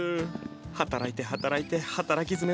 働いて働いて働きづめの日々。